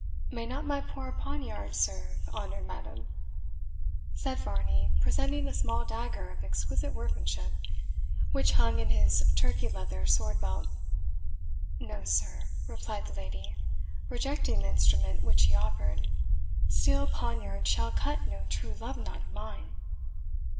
"May not my poor poniard serve, honoured madam?" said Varney, presenting a small dagger of exquisite workmanship, which hung in his Turkey leather sword belt. "No, sir," replied the lady, rejecting the instrument which he offered "steel poniard shall cut no true love knot of mine."